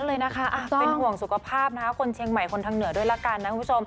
เป็นห่วงสุขภาพนะคะคนเชียงใหม่คนทางเหนือด้วยละกันนะคุณผู้ชม